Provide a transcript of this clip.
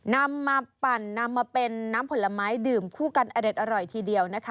นำมาปั่นนำมาเป็นน้ำผลไม้ดื่มคู่กันอเด็ดอร่อยทีเดียวนะคะ